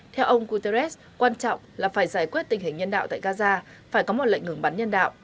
theo ông guterres quan trọng là phải giải quyết tình hình nhân đạo tại gaza phải có một lệnh ngừng bắn nhân đạo